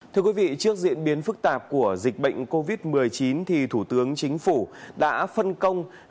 thưa quý vị trước diễn biến phức tạp của dịch bệnh covid một mươi chín thì thủ tướng chính phủ đã phân công